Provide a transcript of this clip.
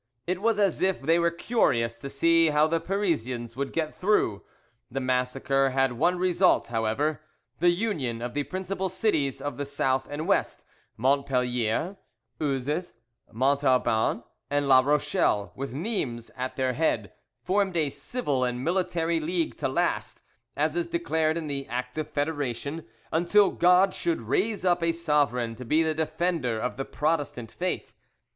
It was as if they were curious to see how the Parisians would get through. The massacre had one result, however, the union of the principal cities of the South and West: Montpellier, Uzes, Montauban, and La Rochelle, with Nimes at their head, formed a civil and military league to last, as is declared in the Act of Federation, until God should raise up a sovereign to be the defender of the Protestant faith.